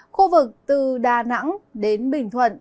khu vực từ đà nẵng đến bình thuận